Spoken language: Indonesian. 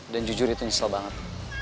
dan jujur itu nyesel banget